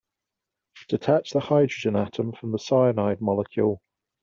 Detach the hydrogen atom from the cyanide molecule.